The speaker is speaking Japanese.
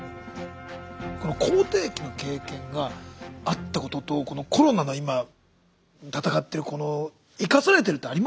この口てい疫の経験があったこととこのコロナの今闘ってるこの生かされてるってあります？